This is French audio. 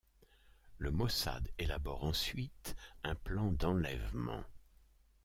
Le Mossad élabore ensuite un plan d'enlèvement.